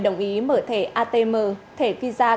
đồng ý mở thẻ atm thẻ visa